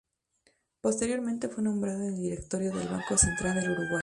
Posteriormente fue nombrado en el directorio del Banco Central del Uruguay.